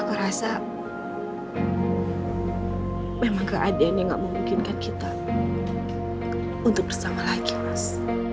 aku rasa memang keadaan yang gak memungkinkan kita untuk bersama lagi mas